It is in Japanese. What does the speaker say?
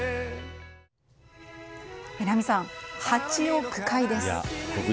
榎並さん、８億回です。